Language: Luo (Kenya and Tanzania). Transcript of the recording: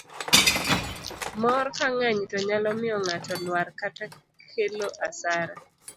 mor kang'eny to nyalo miyo ng'ato lwar kata kelo asara